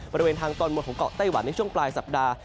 บริเวณทางตอนบนของเกาะไต้หวันในช่วงปลายสัปดาห์